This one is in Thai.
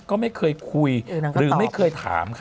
ก็ไม่เคยคุยหรือไม่เคยถามค่ะ